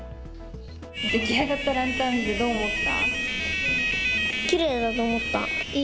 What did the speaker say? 出来上がったランタンを見てどう思った？